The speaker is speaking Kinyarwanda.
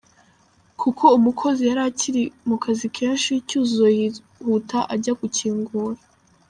Kuko umukozi yari akiri mu kazi kenshi ,Cyuzuzo yihuta ajya gukingura.